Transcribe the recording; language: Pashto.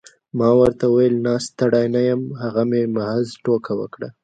ما ورته وویل نه ستړی نه یم هغه مې محض ټوکه وکړه.